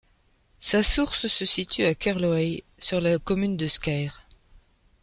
Sa source se situe à Kerloai sur la commune de Scaër.